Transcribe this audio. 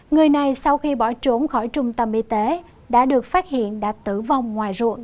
người này sau khi bỏ trốn khỏi trung tâm y tế đã được phát hiện đã tử vong ngoài ruộng